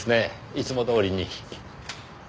いつもどおりに。